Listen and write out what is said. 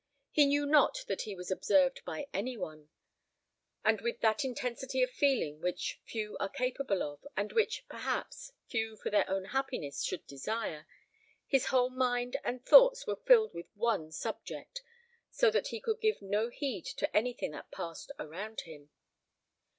He knew not that he was observed by any one; and with that intensity of feeling which few are capable of, and which, perhaps, few for their own happiness should desire, his whole mind and thoughts were filled with one subject, so that he could give no heed to anything that passed around him.